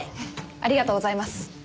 ありがとうございます。